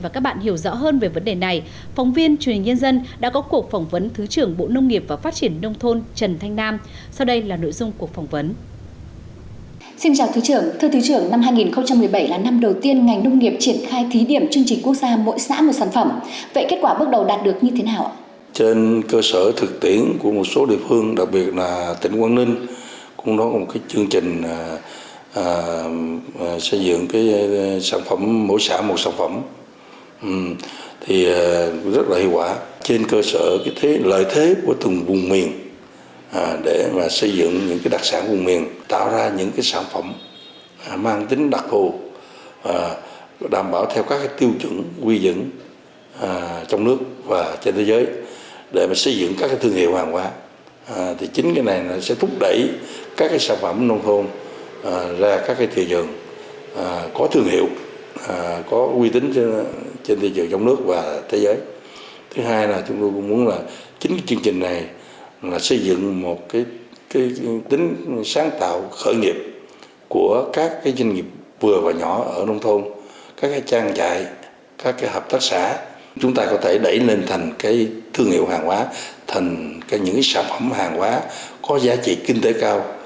chúng ta có thể đẩy lên thành cái thương hiệu hàng hóa thành những sản phẩm hàng hóa có giá trị kinh tế cao